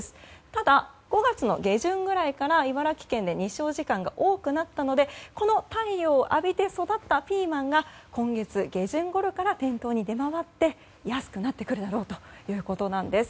ただ、５月の下旬くらいから茨城県で日照時間が多くなったのでこの太陽を浴びて育ったピーマンが今月下旬ごろから店頭に出回って安くなってくるだろうということなんです。